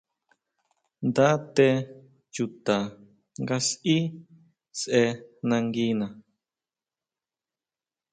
Nda té chuta nga sʼí sʼe nanguina.